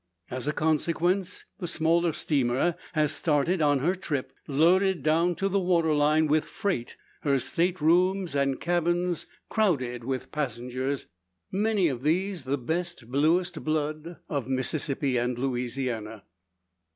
As a consequence, the smaller steamer has started on her trip, loaded down to the water line with freight, her state rooms and cabins crowded with passengers many of these the best, bluest blood of Mississippi and Louisiana.